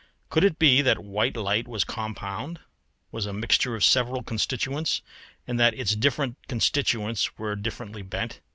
Could it be that white light was compound, was a mixture of several constituents, and that its different constituents were differently bent?